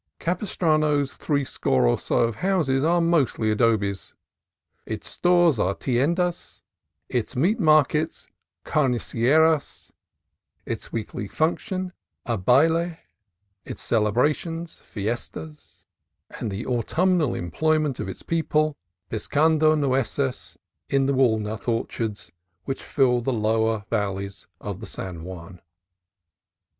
Capistrano's threescore or so of houses are mostly adobes, its stores are tiendas, its meat markets carnicerias, its weekly function a baile, its cele brations fiestas, and the autumnal employment of its people pizcando nueces in the walnut orchards which fill the lower valley of the San Juan.